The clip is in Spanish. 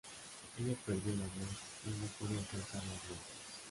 Ella perdió la voz y no podía alcanzar las notas.